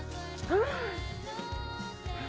うん！